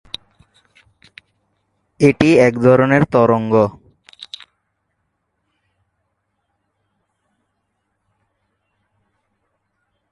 এটি এক ধরনের তরঙ্গ।